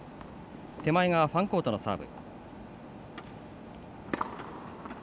手前側、ファンコートのサーブ。